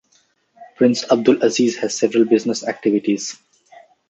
Prince Abdulaziz has several business activities.